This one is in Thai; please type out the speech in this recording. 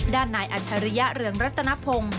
ด้านนายอัชริยะเรืองรัตนพงศ์